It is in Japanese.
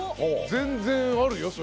全然あるよ。